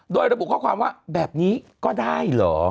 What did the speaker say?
โดยระบุข้อความว่าแบบนี้ก็ได้เหรอ